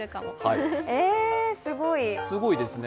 すごいですね。